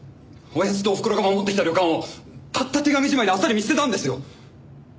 親父とおふくろが守ってきた旅館をたった手紙一枚であっさり見捨てたんですよ。